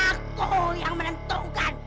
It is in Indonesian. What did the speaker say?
aku yang menentukan